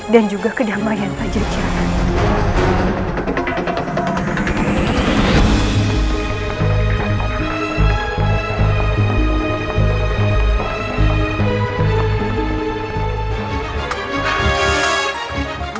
dan juga kedamaian pajajaran